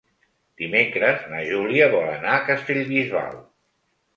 Dimecres na Júlia vol anar a Castellbisbal.